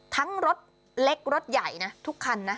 รถเล็กรถใหญ่นะทุกคันนะ